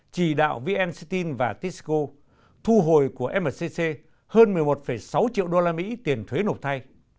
chỉ đạo vnctin và tsco thu hồi của mcc hơn một mươi một sáu triệu đô la mỹ tiền thuế nộp thay